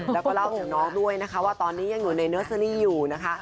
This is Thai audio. แล้วก็เล่าถึงน้องด้วยนะคะว่าตอนนี้ยังอยู่ในเนอร์เซอรี่อยู่นะคะ